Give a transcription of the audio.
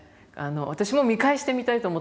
私も見返してみたいと思っています